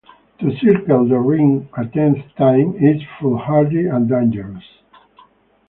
To circle the ring a tenth time is foolhardy and dangerous.